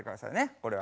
これは。